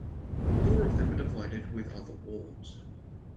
Four of them are divided with other wards.